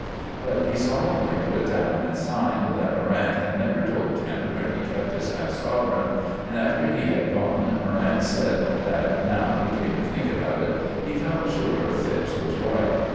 But he solemnly put down and signed that Morrant had never told him where he kept his half sovereign; and after he had gone Morrant said that, now he came to think about it, he felt sure Phipps was right.